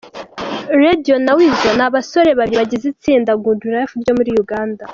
Radio na Weasel, ni abasore babiri bagize itsinda Good Life ryo muri Uganda.